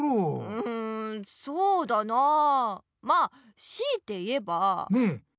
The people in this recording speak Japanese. うんそうだなあまあ強いて言えば。